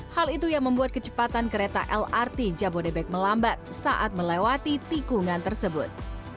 hal itu yang membuat kecepatan kereta lrt jabodebek melambat saat melewati tikungan tersebut